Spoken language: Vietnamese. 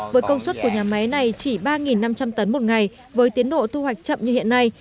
với công suất của nhà máy này chỉ ba năm trăm linh tấn một ngày với tiến độ thu hoạch chậm như hiện nay